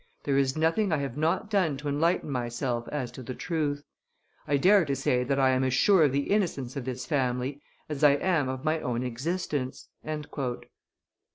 There is nothing I have not done to enlighten myself as to the truth. I dare to say that I am as sure of the innocence of this family as I am of my own existence."